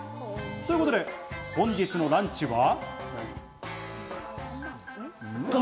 ということで、本日のランチは？